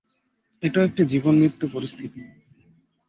এটাও একটি জীবন-মৃত্যু পরিস্থিতি।